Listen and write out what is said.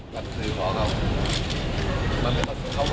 ไปสินทรีย์บอกว่ามันจับเลย